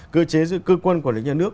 cơ chế giữa cơ quan quản lý nhà nước